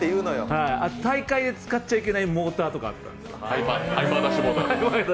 大会で使っちゃいけないモーターとかあったんです。